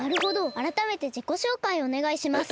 あらためてじこしょうかいをおねがいします。